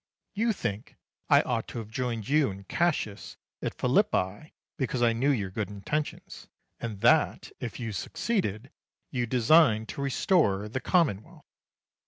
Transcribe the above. You think I ought to have joined you and Cassius at Philippi, because I knew your good intentions, and that, if you succeeded, you designed to restore the commonwealth.